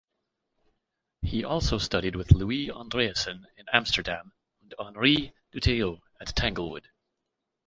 He also studied with Louis Andriessen in Amsterdam and Henri Dutilleux at Tanglewood.